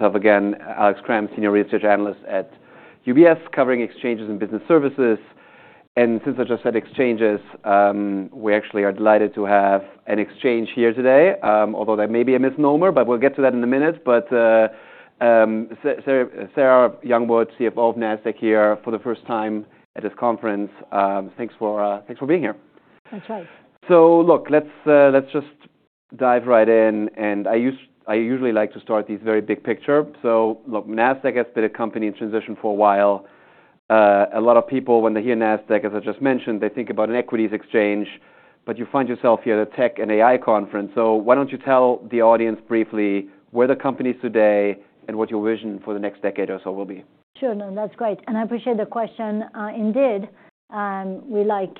Once again, Alex Kramm, Senior Research Analyst at UBS, covering exchanges and business services. And since I just said exchanges, we actually are delighted to have an exchange here today, although that may be a misnomer, but we'll get to that in a minute. But Sarah Youngwood, CFO of Nasdaq here, for the first time at this conference, thanks for being here. That's right. So, look, let's just dive right in. And I usually like to start these very big picture. So, look, Nasdaq has been a company in transition for a while. A lot of people, when they hear Nasdaq, as I just mentioned, they think about an equities exchange, but you find yourself here at a tech and AI conference. So why don't you tell the audience briefly where the company is today and what your vision for the next decade or so will be? Sure, no, that's great. And I appreciate the question. Indeed, we like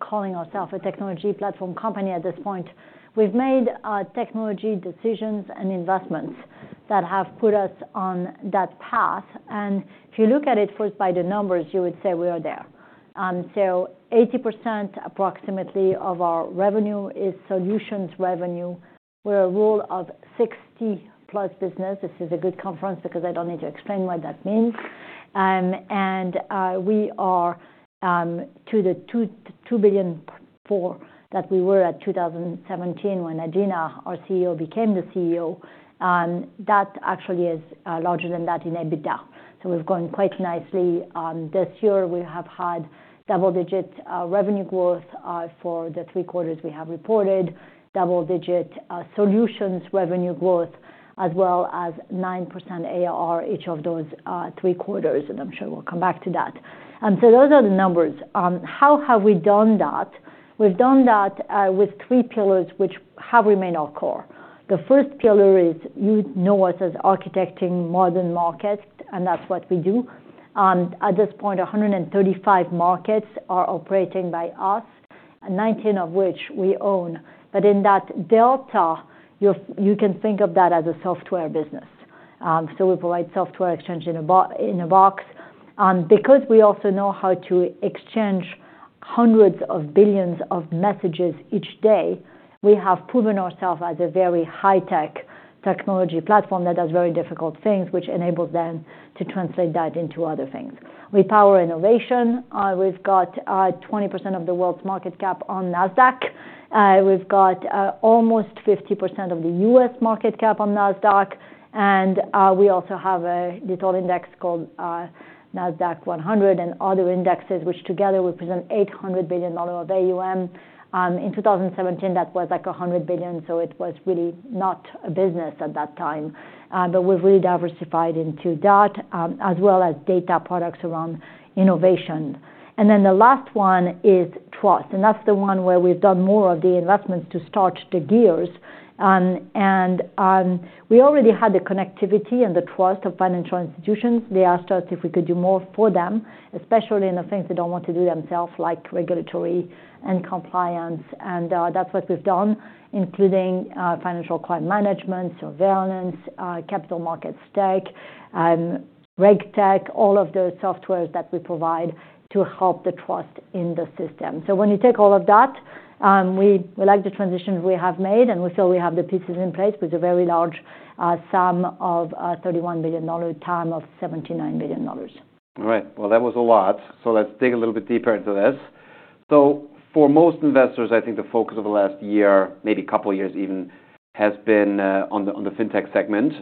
calling ourselves a technology platform company at this point. We've made technology decisions and investments that have put us on that path. And if you look at it first by the numbers, you would say we are there, so 80% approximately of our revenue is solutions revenue. We're a Rule of 60+ business. This is a good conference because I don't need to explain what that means, and we are to the $2.2 billion per that we were at in 2017 when Adena, our CEO, became the CEO. That actually is larger than that in EBITDA, so we've grown quite nicely. This year we have had double-digit revenue growth for the three quarters we have reported, double-digit solutions revenue growth, as well as 9% ARR each of those three quarters, and I'm sure we'll come back to that. So those are the numbers. How have we done that? We've done that, with three pillars which have remained our core. The first pillar is you know us as architecting modern markets, and that's what we do and at this point, 135 markets are operating by us, 19 of which we own. But in that delta, you can think of that as a software business. So we provide software exchange in a box. Because we also know how to exchange hundreds of billions of messages each day, we have proven ourselves as a very high-tech technology platform that does very difficult things, which enables them to translate that into other things. We power innovation. We've got 20% of the world's market cap on Nasdaq. We've got almost 50% of the U.S. market cap on Nasdaq. And we also have a little index called Nasdaq 100 and other indexes which together represent $800 billion of AUM. In 2017, that was like $100 billion, so it was really not a business at that time and we've really diversified into that, as well as data products around innovation. Then the last one is trust. That's the one where we've done more of the investments to start the gears and we already had the connectivity and the trust of financial institutions. They asked us if we could do more for them, especially in the things they don't want to do themselves, like regulatory and compliance. That's what we've done, including financial crime management, surveillance, capital markets tech, reg tech, all of the software that we provide to help the trust in the system. So when you take all of that, we would like the transitions we have made, and we feel we have the pieces in place with a very large SAM of $31 billion, TAM of $79 billion. All right. Well, that was a lot. So let's dig a little bit deeper into this. So for most investors, I think the focus of the last year, maybe a couple of years even, has been on the fintech segment.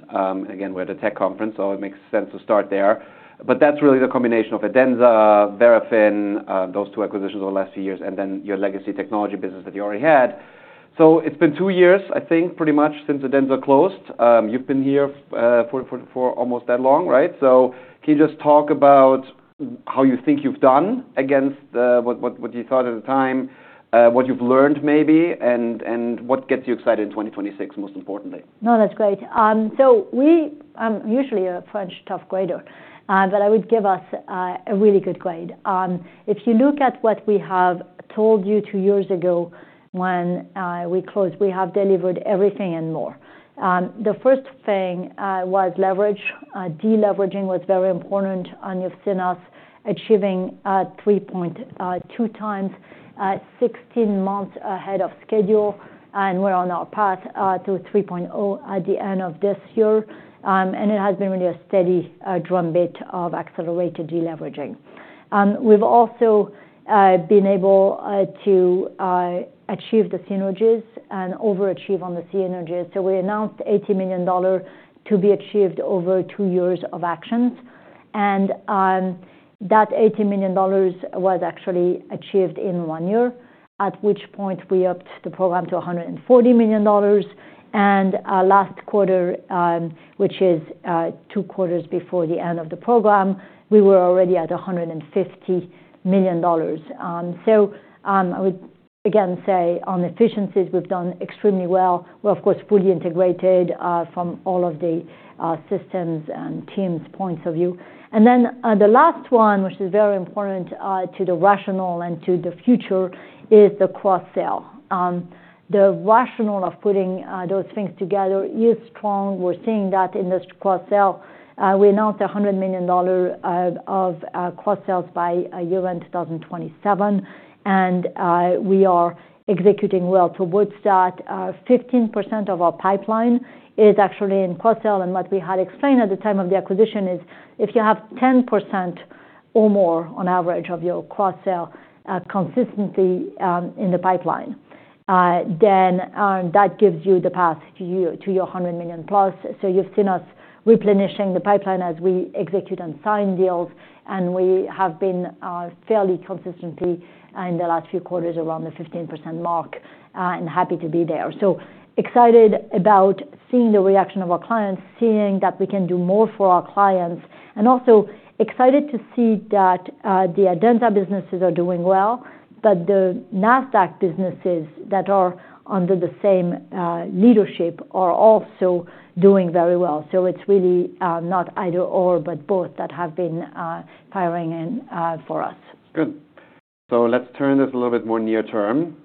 Again, we're at a tech conference, so it makes sense to start there. But that's really the combination of Adenza, Verafin, those two acquisitions over the last few years, and then your legacy technology business that you already had. So it's been two years, I think, pretty much, since Adenza closed. You've been here for almost that long, right? So can you just talk about how you think you've done against what you thought at the time, what you've learned maybe, and what gets you excited in 2026, most importantly? No, that's great. So, I'm usually a pretty tough grader, but I would give us a really good grade. If you look at what we have told you two years ago when we closed, we have delivered everything and more. The first thing was leverage. Deleveraging was very important in our financials, achieving 3.2 times 16 months ahead of schedule. And we're on our path to 3.0 at the end of this year. And it has been really a steady drumbeat of accelerated deleveraging. We've also been able to achieve the synergies and overachieve on the synergies. So we announced $80 million to be achieved over two years of actions. And that $80 million was actually achieved in one year, at which point we upped the program to $140 million. And last quarter, which is two quarters before the end of the program, we were already at $150 million. So, I would again say, on efficiencies, we've done extremely well. We're, of course, fully integrated, from all of the, systems and teams' points of view. And then, the last one, which is very important, to the rationale and to the future, is the cross-sell. The rationale of putting, those things together is strong. We're seeing that in this cross-sell. We announced a $100 million of cross-sells by year-end 2027. And, we are executing well towards that. 15% of our pipeline is actually in cross-sell. And what we had explained at the time of the acquisition is if you have 10% or more on average of your cross-sell, consistently, in the pipeline, then, that gives you the path to your 100 million plus. So you've seen us replenishing the pipeline as we execute and sign deals. We have been fairly consistently in the last few quarters around the 15% mark and happy to be there. Excited about seeing the reaction of our clients, seeing that we can do more for our clients, and also excited to see that the Adenza businesses are doing well, but the Nasdaq businesses that are under the same leadership are also doing very well. It's really not either/or, but both that have been firing and for us. Good. So let's turn this a little bit more near term.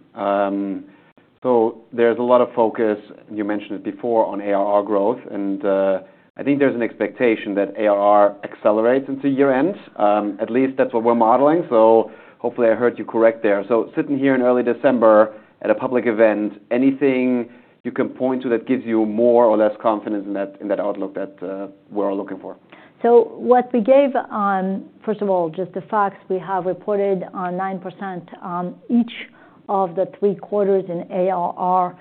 So there's a lot of focus, and you mentioned it before, on ARR growth. And I think there's an expectation that ARR accelerates into year-end. At least that's what we're modeling. So hopefully I heard you correctly there. So sitting here in early December at a public event, anything you can point to that gives you more or less confidence in that outlook that we're all looking for? So what we gave first of all just the facts we have reported on 9% each of the three quarters in ARR.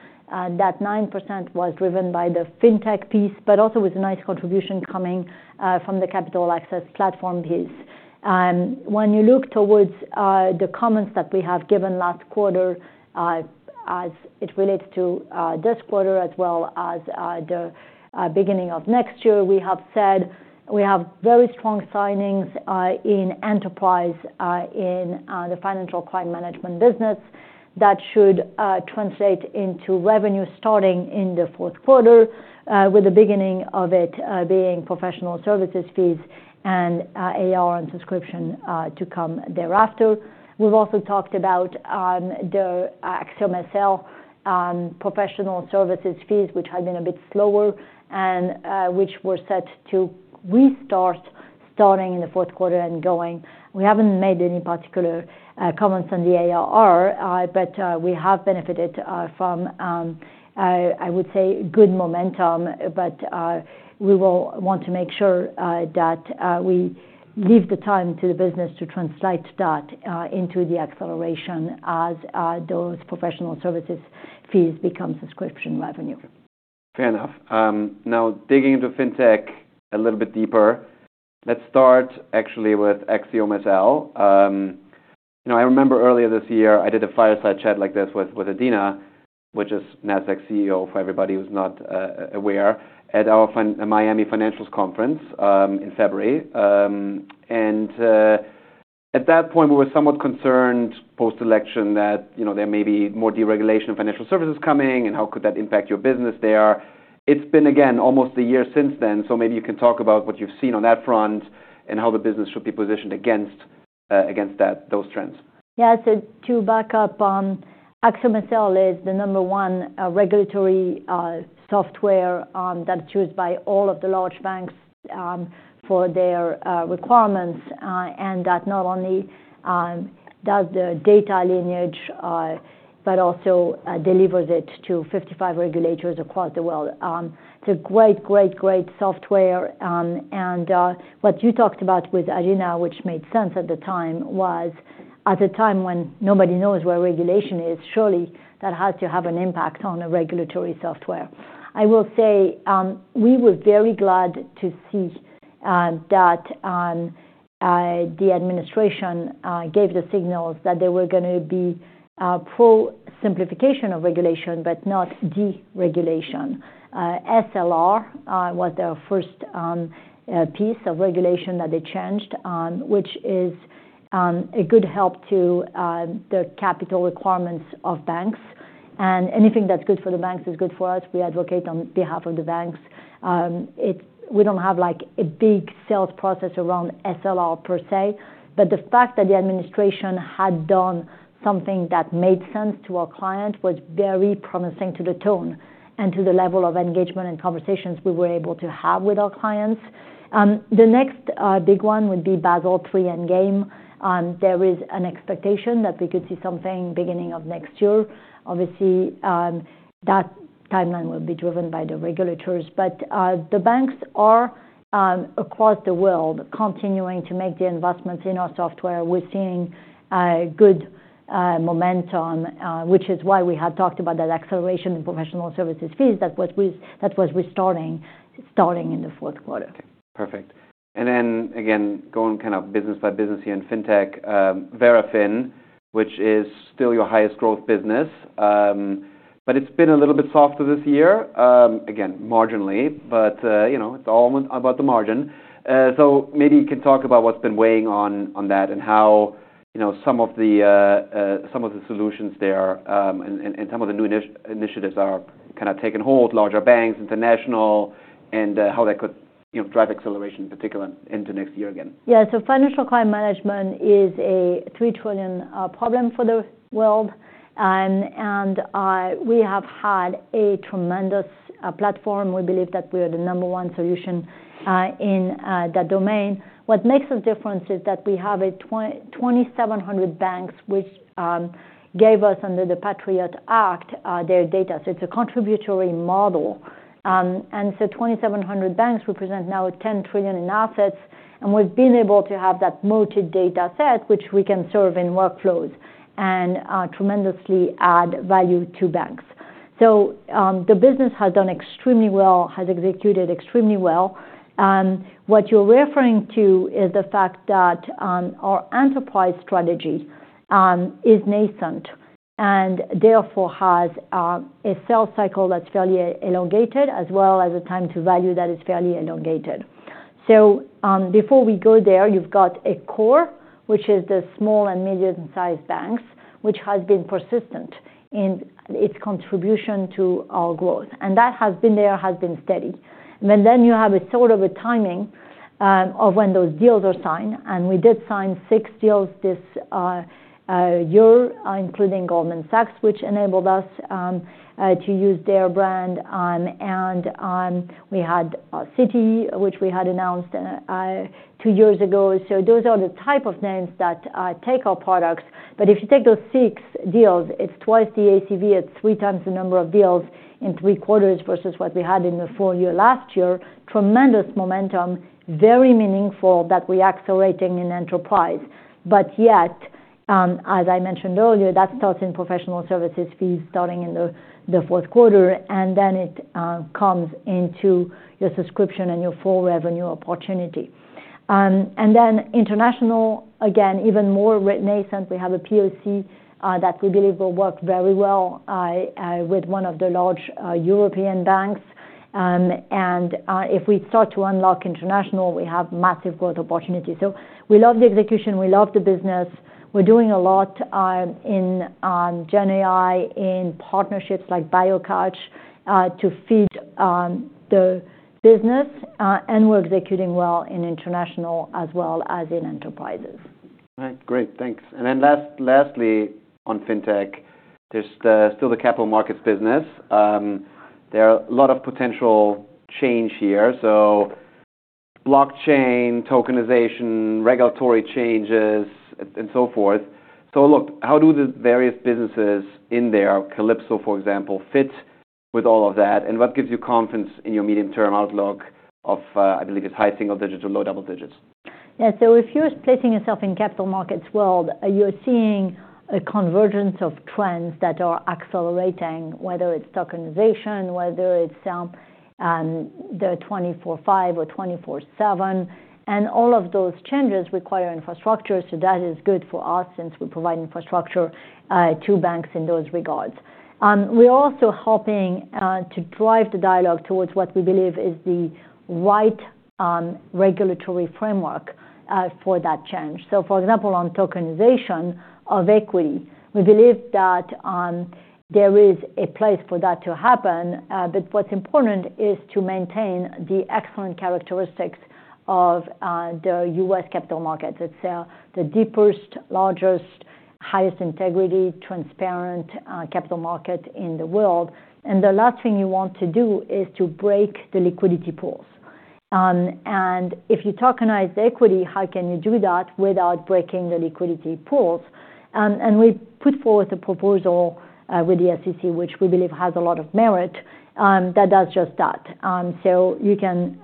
That 9% was driven by the fintech piece, but also with a nice contribution coming from the capital access platform piece. When you look towards the comments that we have given last quarter as it relates to this quarter as well as the beginning of next year, we have said we have very strong signings in enterprise in the financial crime management business that should translate into revenue starting in the fourth quarter, with the beginning of it being professional services fees and ARR and subscription to come thereafter. We have also talked about the AxiomSL professional services fees, which had been a bit slower and which were set to restart starting in the fourth quarter and going. We haven't made any particular comments on the ARR, but we have benefited from, I would say, good momentum. But we will want to make sure that we leave the time to the business to translate that into the acceleration as those professional services fees become subscription revenue. Fair enough. Now digging into fintech a little bit deeper, let's start actually with AxiomSL. You know, I remember earlier this year I did a fireside chat like this with with Adena, which is Nasdaq CEO for everybody who's not aware, at our FIN Miami Financials conference, in February, and at that point, we were somewhat concerned post-election that, you know, there may be more deregulation of financial services coming and how could that impact your business there. It's been again almost a year since then, so maybe you can talk about what you've seen on that front and how the business should be positioned against those trends. Yeah. So to back up, AxiomSL is the number one regulatory software that's used by all of the large banks for their requirements, and that not only does the data lineage, but also delivers it to 55 regulators across the world. It's a great, great, great software. And what you talked about with Adenza, which made sense at the time, was at a time when nobody knows where regulation is. Surely that has to have an impact on the regulatory software. I will say, we were very glad to see that the administration gave the signals that there were going to be pro-simplification of regulation, but not deregulation. SLR was their first piece of regulation that they changed, which is a good help to the capital requirements of banks. And anything that's good for the banks is good for us. We advocate on behalf of the banks. It's we don't have like a big sales process around SLR per se, but the fact that the administration had done something that made sense to our client was very promising to the tone and to the level of engagement and conversations we were able to have with our clients. The next, big one would be Basel III Endgame. There is an expectation that we could see something beginning of next year. Obviously, that timeline will be driven by the regulators. But the banks are across the world continuing to make the investments in our software. We're seeing good momentum, which is why we had talked about that acceleration in professional services fees that was restarting starting in the fourth quarter. Perfect. And then again, going kind of business by business here in fintech, Verafin, which is still your highest growth business, but it's been a little bit softer this year, again, marginally, but, you know, it's all about the margin. So maybe you can talk about what's been weighing on that and how, you know, some of the solutions there, and some of the new initiatives are kind of taking hold, larger banks, international, and, how that could, you know, drive acceleration in particular into next year again. Yeah. So financial crime management is a $3 trillion problem for the world. We have had a tremendous platform. We believe that we are the number one solution in that domain. What makes us different is that we have 2,700 banks which gave us under the Patriot Act their data. So it's a contributory model. And so 2,700 banks represent now $10 trillion in assets. And we've been able to have that multi-data set, which we can serve in workflows and tremendously add value to banks. So the business has done extremely well, has executed extremely well. What you're referring to is the fact that our enterprise strategy is nascent and therefore has a sales cycle that's fairly elongated as well as a time to value that is fairly elongated. So, before we go there, you've got a core, which is the small and medium-sized banks, which has been persistent in its contribution to our growth. And that has been there, has been steady. And then you have a sort of a timing, of when those deals are signed. And we did sign six deals this year, including Goldman Sachs, which enabled us to use their brand. And we had Citi, which we had announced two years ago. So those are the type of names that take our products. But if you take those six deals, it's twice the ACV. It's three times the number of deals in three quarters versus what we had in the full year last year. Tremendous momentum, very meaningful that we're accelerating in enterprise. But yet, as I mentioned earlier, that starts in professional services fees starting in the fourth quarter. And then it comes into your subscription and your full revenue opportunity. And then international, again, even more nascent. We have a POC that we believe will work very well with one of the large European banks. And if we start to unlock international, we have massive growth opportunity. So we love the execution. We love the business. We're doing a lot in GenAI in partnerships like BioCatch to feed the business. And we're executing well in international as well as in enterprises. All right. Great. Thanks. And then last, lastly, on fintech, there's still the capital markets business. There are a lot of potential changes here. So blockchain, tokenization, regulatory changes, and so forth. So look, how do the various businesses in there, Calypso, for example, fit with all of that? And what gives you confidence in your medium-term outlook of, I believe it's high single digits or low double digits? Yeah. So if you're placing yourself in capital markets world, you're seeing a convergence of trends that are accelerating, whether it's tokenization, whether it's the 24/5 or 24/7. And all of those changes require infrastructure. So that is good for us since we provide infrastructure to banks in those regards. We're also helping to drive the dialogue towards what we believe is the right regulatory framework for that change. So for example, on tokenization of equity, we believe that there is a place for that to happen. But what's important is to maintain the excellent characteristics of the U.S. capital markets. It's the deepest, largest, highest integrity, transparent capital market in the world. And the last thing you want to do is to break the liquidity pools. And if you tokenize the equity, how can you do that without breaking the liquidity pools? And we put forward the proposal with the SEC, which we believe has a lot of merit, that does just that. So you can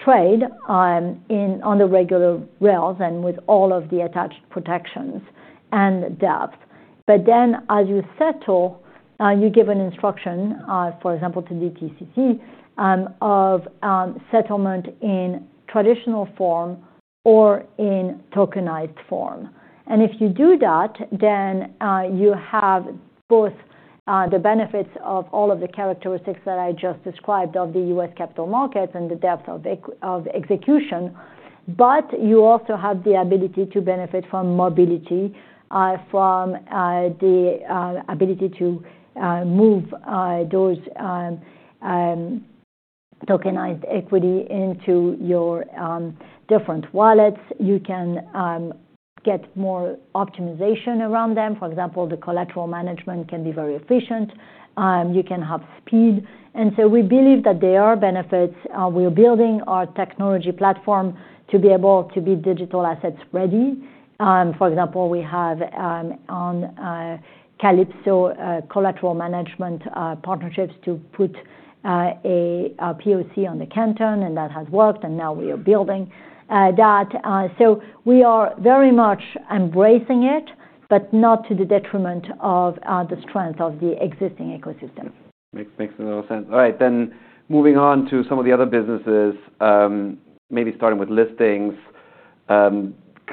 trade in on the regular rails and with all of the attached protections and depth. But then as you settle, you give an instruction, for example, to the DTCC, of settlement in traditional form or in tokenized form. And if you do that, then you have both the benefits of all of the characteristics that I just described of the U.S. capital markets and the depth of execution, but you also have the ability to benefit from mobility from the ability to move those tokenized equity into your different wallets. You can get more optimization around them. For example, the collateral management can be very efficient. You can have speed. And so we believe that there are benefits. We're building our technology platform to be able to be digital assets ready. For example, we have, on Calypso, collateral management partnerships to put a POC on the Canton, and that has worked. And now we are building that. So we are very much embracing it, but not to the detriment of the strength of the existing ecosystem. Makes a lot of sense. All right. Then moving on to some of the other businesses, maybe starting with listings.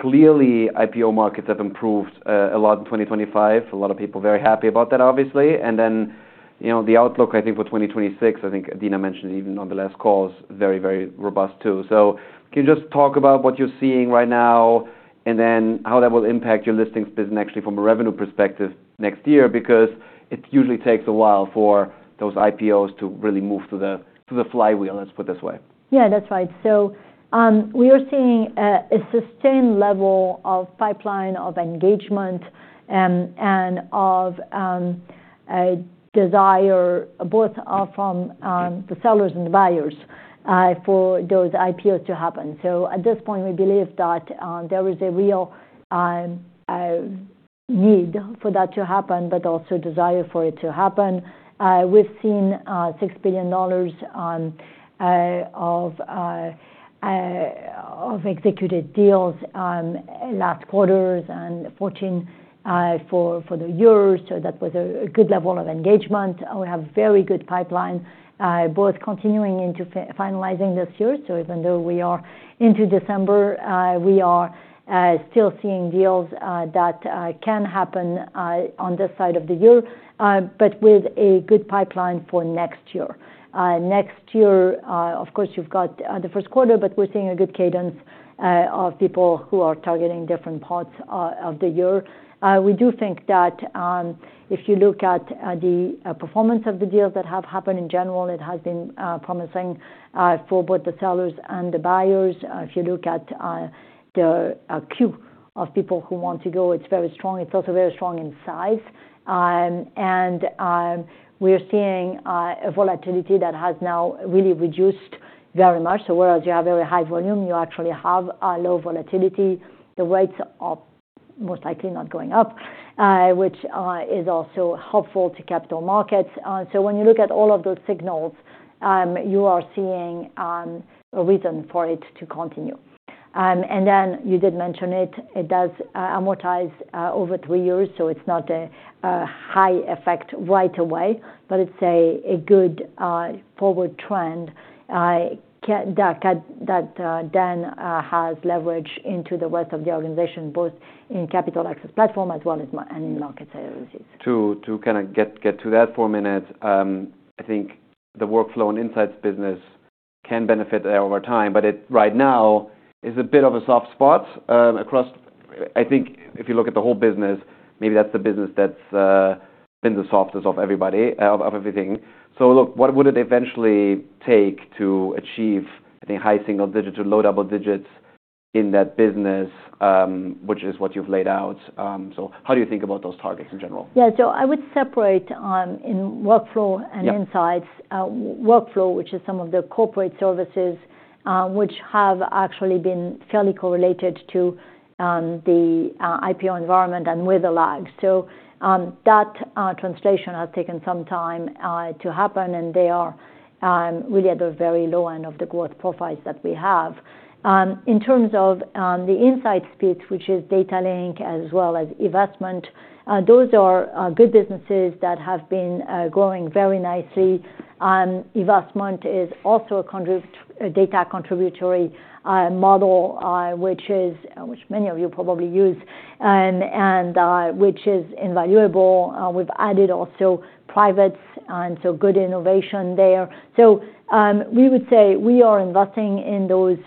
Clearly, IPO markets have improved a lot in 2025. A lot of people very happy about that, obviously. And then, you know, the outlook, I think, for 2026, I think Adena mentioned even on the last calls, very, very robust too. So can you just talk about what you're seeing right now and then how that will impact your listings business actually from a revenue perspective next year? Because it usually takes a while for those IPOs to really move to the flywheel, let's put it this way. Yeah, that's right. So, we are seeing a sustained level of pipeline of engagement and of desire both from the sellers and the buyers for those IPOs to happen. So at this point, we believe that there is a real need for that to happen, but also desire for it to happen. We've seen $6 billion of executed deals last quarter and 14 for the year. So that was a good level of engagement. We have a very good pipeline both continuing into finalizing this year. So even though we are into December, we are still seeing deals that can happen on this side of the year, but with a good pipeline for next year. Next year, of course, you've got the first quarter, but we're seeing a good cadence of people who are targeting different parts of the year. We do think that, if you look at the performance of the deals that have happened in general, it has been promising for both the sellers and the buyers. If you look at the queue of people who want to go, it's very strong. It's also very strong in size, and we are seeing a volatility that has now really reduced very much. So whereas you have very high volume, you actually have low volatility. The rates are most likely not going up, which is also helpful to capital markets. So when you look at all of those signals, you are seeing a reason for it to continue, and then you did mention it. It does amortize over three years. It's not a high effect right away, but it's a good forward trend that can then has leverage into the rest of the organization, both in capital access platform as well as in market services. To kind of get to that for a minute, I think the workflow and insights business can benefit there over time, but it right now is a bit of a soft spot, across, I think, if you look at the whole business, maybe that's the business that's been the softest of everybody, of everything. So look, what would it eventually take to achieve, I think, high single digit to low double digits in that business, which is what you've laid out? So how do you think about those targets in general? Yeah. So I would separate in workflow and insights workflow, which is some of the corporate services, which have actually been fairly correlated to the IPO environment and with the lag. So that translation has taken some time to happen, and they are really at the very low end of the growth profiles that we have. In terms of the insights piece, which is Data Link as well as eVestment, those are good businesses that have been growing very nicely. eVestment is also a data contributory model, which is which many of you probably use, and which is invaluable. We've added also privates, and so good innovation there. So we would say we are investing in those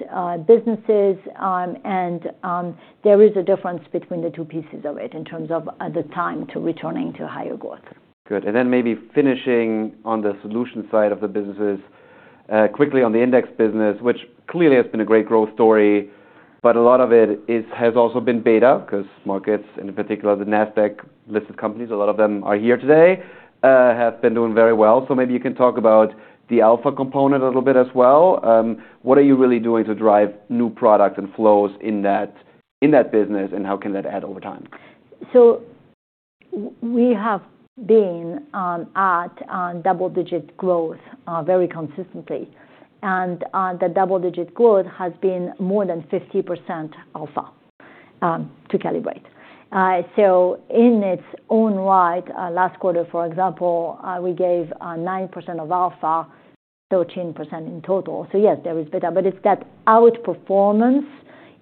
businesses, and there is a difference between the two pieces of it in terms of the time to returning to higher growth. Good. And then maybe finishing on the solution side of the businesses, quickly on the index business, which clearly has been a great growth story, but a lot of it has also been beta because markets, in particular the Nasdaq-listed companies, a lot of them are here today, have been doing very well. So maybe you can talk about the alpha component a little bit as well. What are you really doing to drive new product and flows in that, in that business, and how can that add over time? So we have been at double-digit growth very consistently. And the double-digit growth has been more than 50% alpha to calibrate. In its own right, last quarter, for example, we gave 9% of alpha, 13% in total. So yes, there is better, but it's that outperformance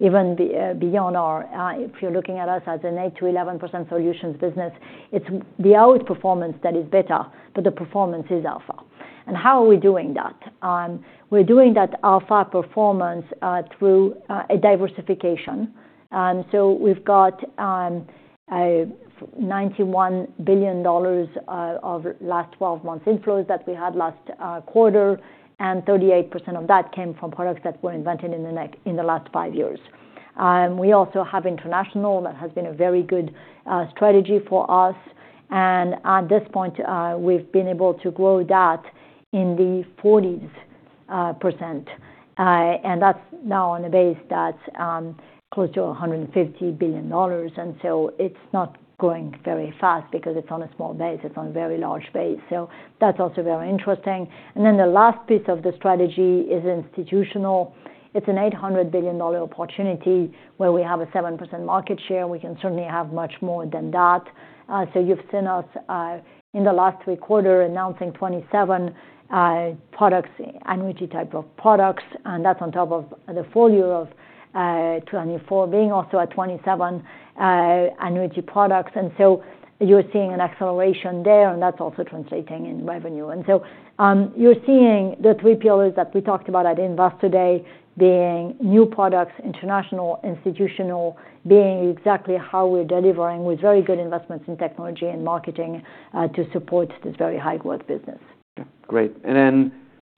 even beyond our, if you're looking at us as an 8-11% solutions business, it's the outperformance that is better, but the performance is alpha. And how are we doing that? We're doing that alpha performance through a diversification. So we've got $91 billion of last 12 months inflows that we had last quarter, and 38% of that came from products that were invented at Nasdaq in the last five years. We also have international that has been a very good strategy for us. And at this point, we've been able to grow that in the 40s%. And that's now on a base that's close to $150 billion. And so it's not growing very fast because it's on a small base. It's on a very large base. So that's also very interesting. And then the last piece of the strategy is institutional. It's an $800 billion opportunity where we have a 7% market share. We can certainly have much more than that. So you've seen us in the last three quarters announcing 27 products, annuity type of products. And that's on top of the full year of 2024 being also at 27 annuity products. And so you're seeing an acceleration there, and that's also translating in revenue. And so you're seeing the three pillars that we talked about at Investor Day being new products, international, institutional, being exactly how we're delivering with very good investments in technology and marketing to support this very high-growth business. Great. And then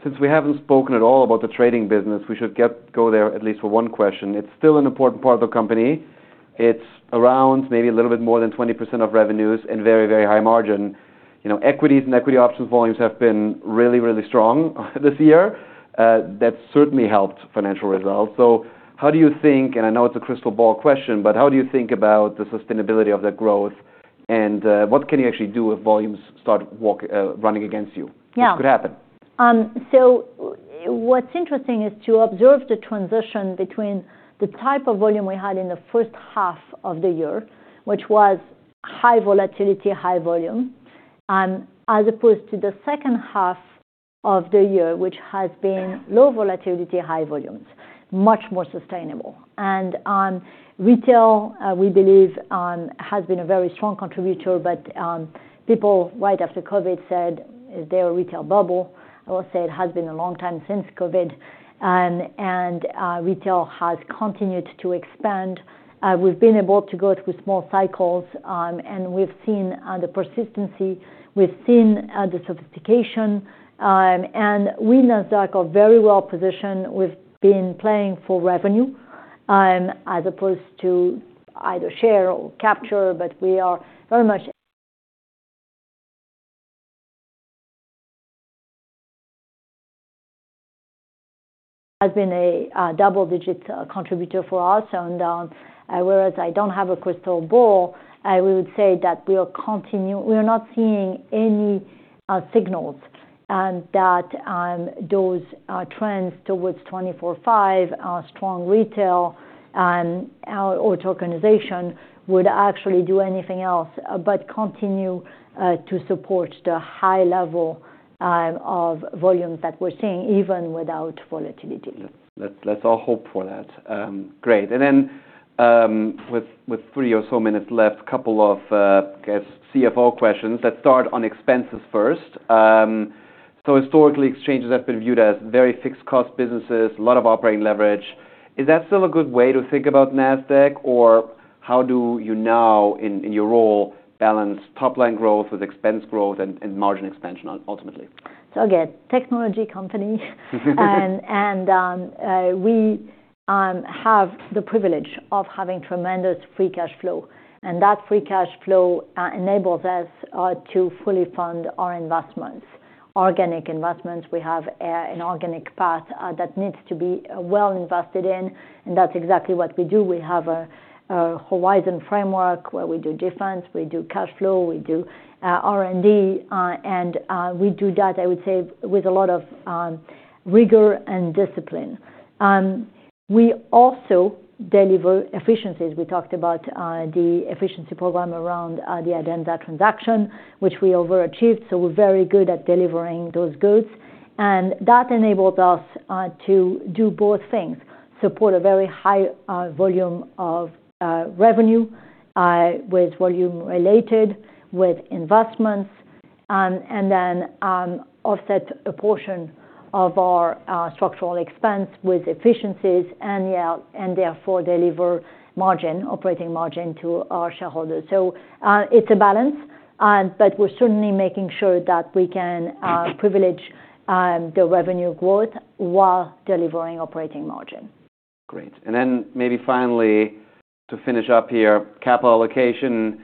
since we haven't spoken at all about the trading business, we should go there at least for one question. It's still an important part of the company. It's around maybe a little bit more than 20% of revenues and very, very high margin. You know, equities and equity options volumes have been really, really strong this year. That's certainly helped financial results. So how do you think, and I know it's a crystal ball question, but how do you think about the sustainability of that growth? And what can you actually do if volumes start walking, running against you? Yeah. What could happen? So what's interesting is to observe the transition between the type of volume we had in the first half of the year, which was high volatility, high volume, as opposed to the second half of the year, which has been low volatility, high volumes, much more sustainable. And retail, we believe, has been a very strong contributor, but people right after COVID said, "Is there a retail bubble?" I will say it has been a long time since COVID. And retail has continued to expand. We've been able to go through small cycles, and we've seen the persistency. We've seen the sophistication. And we, Nasdaq, are very well positioned. We've been playing for revenue, as opposed to either share or capture, but we are very much has been a double-digit contributor for us. Whereas I don't have a crystal ball, we would say that we continue. We are not seeing any signals that those trends towards 24/5, strong retail, or tokenization would actually do anything else but continue to support the high level of volumes that we're seeing even without volatility. Let's all hope for that. Great. And then, with three or so minutes left, a couple of guest CFO questions. Let's start on expenses first. So historically, exchanges have been viewed as very fixed cost businesses, a lot of operating leverage. Is that still a good way to think about Nasdaq, or how do you now, in your role, balance top-line growth with expense growth and margin expansion ultimately? So again, technology company, and we have the privilege of having tremendous free cash flow. And that free cash flow enables us to fully fund our investments, organic investments. We have an organic path that needs to be well invested in. And that's exactly what we do. We have a Horizon framework where we do defense, we do cash flow, we do R&D, and we do that, I would say, with a lot of rigor and discipline. We also deliver efficiencies. We talked about the efficiency program around the Adenza transaction, which we overachieved. So we're very good at delivering those goods. And that enables us to do both things, support a very high volume of revenue with volume related with investments, and then offset a portion of our structural expense with efficiencies and therefore deliver margin, operating margin to our shareholders. So, it's a balance, but we're certainly making sure that we can privilege the revenue growth while delivering operating margin. Great. And then maybe finally, to finish up here, capital allocation,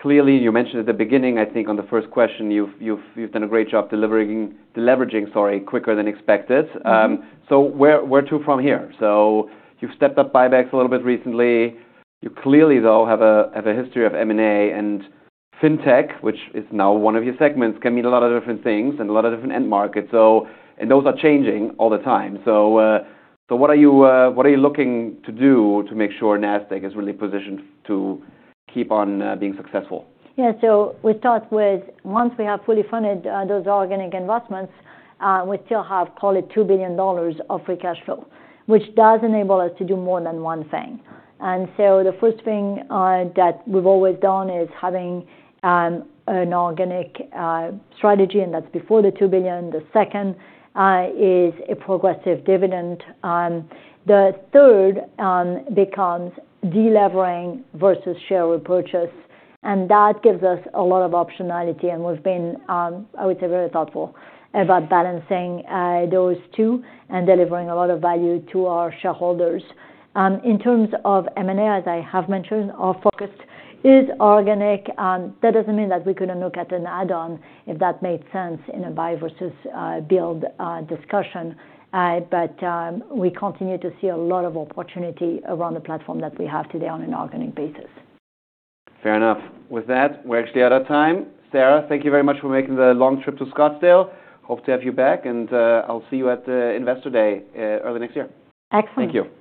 clearly you mentioned at the beginning, I think on the first question, you've done a great job delivering deleveraging, sorry, quicker than expected. So where to from here? So you've stepped up buybacks a little bit recently. You clearly, though, have a history of M&A and fintech, which is now one of your segments, can mean a lot of different things and a lot of different end markets. So and those are changing all the time. So what are you looking to do to make sure Nasdaq is really positioned to keep on being successful? Yeah. So we start with, once we have fully funded those organic investments, we still have, call it $2 billion of free cash flow, which does enable us to do more than one thing. And so the first thing that we've always done is having an organic strategy, and that's before the $2 billion. The second is a progressive dividend. The third becomes deleveraging versus share repurchase. And that gives us a lot of optionality. And we've been, I would say, very thoughtful about balancing those two and delivering a lot of value to our shareholders. In terms of M&A, as I have mentioned, our focus is organic. That doesn't mean that we couldn't look at an add-on if that made sense in a buy versus build discussion. But we continue to see a lot of opportunity around the platform that we have today on an organic basis. Fair enough. With that, we're actually out of time. Sarah, thank you very much for making the long trip to Scottsdale. Hope to have you back, and I'll see you at the Investor Day, early next year. Excellent. Thank you.